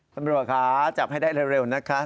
ตำรวจค่ะจับให้ได้เร็วนะคะ